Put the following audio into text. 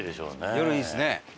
夜いいっすね。